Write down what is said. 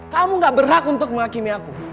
kamu gak berhak untuk menghakimi aku